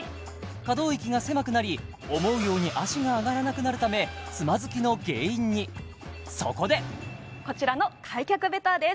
可動域が狭くなり思うように脚が上がらなくなるためつまずきの原因にそこでこちらの開脚ベターです